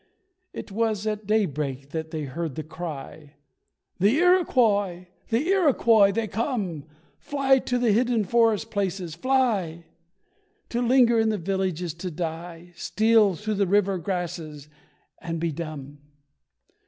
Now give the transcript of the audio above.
It was at daybreak that they heard the cry: "The Iroquois! The Iroquois! They come! Fly to the hidden forest places! Fly! To linger in the village is to die Steal through the river grasses and be dumb!"